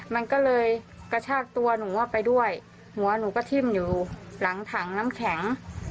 มันก็เลยกระชากตัวหนูออกไปด้วยหัวหนูก็ทิ้มอยู่หลังถังน้ำแข็ง